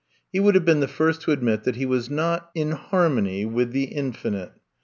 He would have been the first to admit that he was not in Harmony with the Infinite.